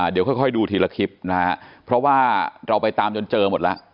เดี๋ยวค่อยดูทีละคลิปนะฮะเพราะว่าเราไปตามจนเจอหมดแล้ว